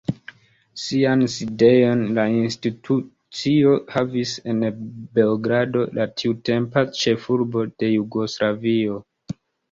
Sian sidejon la institucio havis en Beogrado, la tiutempa ĉefurbo de Jugoslavio.